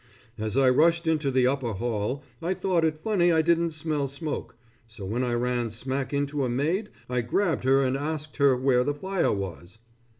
As I rushed into the upper hall, I thought it funny I didn't smell smoke, so when I ran smack into a maid I grabbed her and asked her where the fire was.